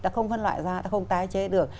ta không phân loại ra ta không tái chế được